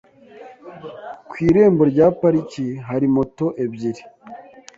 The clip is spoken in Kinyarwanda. Ku irembo rya parike hari moto ebyiri.